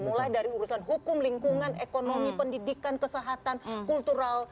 mulai dari urusan hukum lingkungan ekonomi pendidikan kesehatan kultural